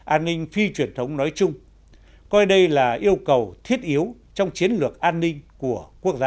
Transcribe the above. an ninh phi truyền thống nói chung coi đây là yêu cầu thiết yếu trong chiến lược an ninh của quốc gia